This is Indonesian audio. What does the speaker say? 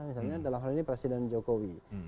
misalnya dalam hal ini presiden jokowi